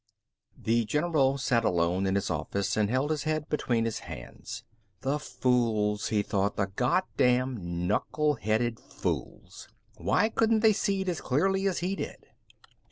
VII The general sat alone in his office and held his head between his hands. The fools, he thought, the goddam knuckle headed fools! Why couldn't they see it as clearly as he did?